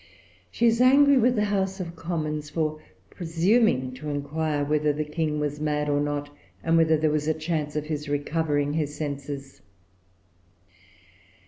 She is angry with the House of Commons for presuming to inquire whether the King was mad or not, and whether there was a chance of his recovering his senses.